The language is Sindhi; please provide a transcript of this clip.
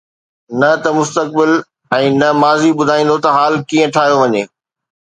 نه ته مستقبل ۽ نه ماضي ٻڌائيندو ته حال ڪيئن ٺاهيو وڃي.